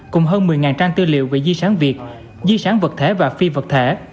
cùng hơn một mươi trang tư liệu về di sản việt di sản vật thể và phi vật thể